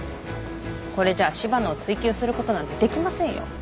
これじゃあ柴野を追及することなんてできませんよ。